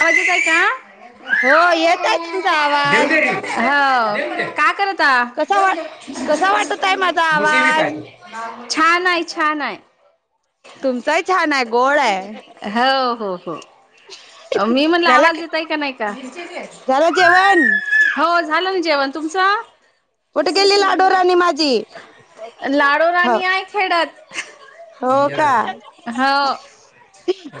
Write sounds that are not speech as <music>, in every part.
अवाज येतय का? हो येत आहे तुमचा आवाज येऊदे. हो, का करत आहा,, कसा वा कसा वाटत आहे माझा मुसब आवाज पाहि छान आय छान आय. तुमचाही छान आहे गोड आहे. हो हो हो मी म्हणलं झाला आवाज की देतय का नाही का,, झालं जेवण हो झा झालं ना जेवण तुमचं? कुठं गेली लाडोराणी माझी? हं. खेनार हो,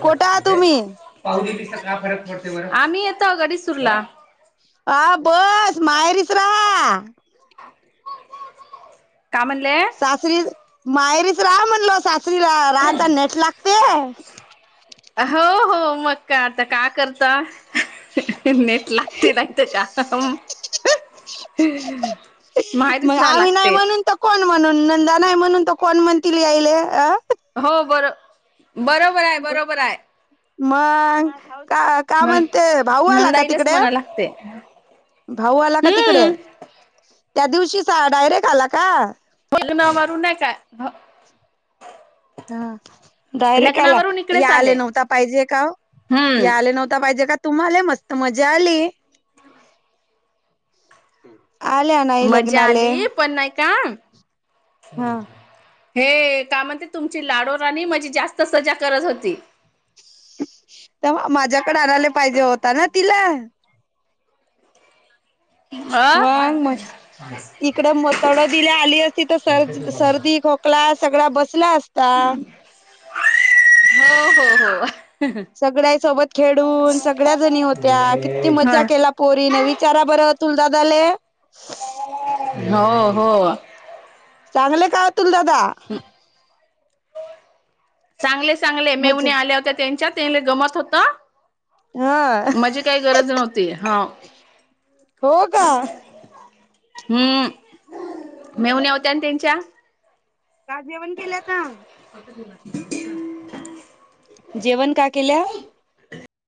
कोठे आहात तुम्ही पा दिस काय फरक पडते, आम्ही येतो गडी सुरला हा बस माहेरीच रहा काय म्हटले. सासरी मायरीच राहा म्हणल सासरीला राहाता नेट लागतेय. हो हो मग का आता का करता. नट लागते लागते काम.. मग माहेरीच जा आम्ही नाही लागते. म्हणून तर कोण म्हणून नंदा नाही म्हणून त कोण म्हण तिला यायले अ. हो बरोबर आहे बरोबर. मग का का न म्हणते भाऊ आला का नंदाईलाच तिकडे. <inaudible> भाऊ आला का तिकडे, हम्म त्या दिवशी डायरेक्ट आला का. बज ना नाही. हा डायरेक्ट आला लग्नावरून इकडेच या आले नव्हता पाहिजे का ओ. हे आले हम्म नव्हता पाहिजे का तुम्हाला मस्त मजा आली. हम् मज्जा आली पण नाही का हा हे काय म्हणते तुमची लाडू राणी माझी जास्त सजा करत होती. तवा माझ्याकडे आणायला पाहिजे होता ना तिला अ वांग मज इकड म तळदीला आली असती तर सर् सर्दी खोकला सगळा बसला असता हो हो हो सगळ्या सोबत खेडून सगळ्या जणी होत्या किती मजा ह केला पोरीन विचारा बरं तुल दादाले हो हो चांगले काय तुल दादा चांगले चांगले मजा मेवणी आल्या होत्या त्यांच्यात तेले गमत होता हा माझी काही गरज नव्हती हा हो का हम्म मेव्हण्या होत्या ना त्यांच्या का जेवण केल्या का हो <inaudible> जेवण का केल्या